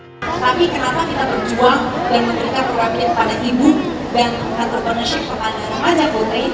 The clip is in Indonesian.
tapi kenapa kita berjuang dan memberikan perlambatan kepada ibu dan entrepreneurship kepada anak anak jambu teri